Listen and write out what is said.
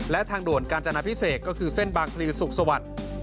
และทางด่วนการจำนวนพิเศษก็คือเซ่นบางทีสุขสวัสดี